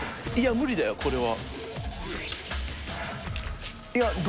無理だよこれは。